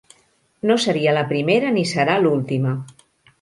No seria la primera ni serà l'última.